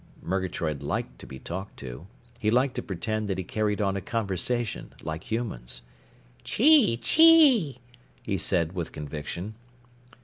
Murgatroyd liked to be talked to. He liked to pretend that he carried on a conversation, like humans. "Chee chee!" he said with conviction.